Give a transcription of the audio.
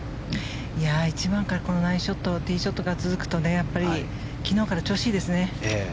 １番からこのナイスショットティーショットから続くと昨日から調子いいですね。